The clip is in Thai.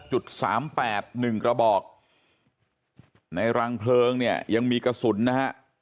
จุด๓๘๑กระบอกในรังเพลิงเนี่ยยังมีกระสุนนะฮะ